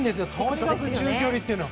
とにかく中距離というのは。